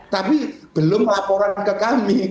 tapi belum laporan ke kami